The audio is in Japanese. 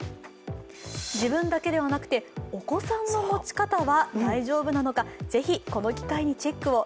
自分だけではなくて、お子さんの持ち方は大丈夫なのか、ぜひこの機会にチェックを。